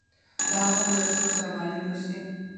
له هغو مدرسو سره مالي مرستې.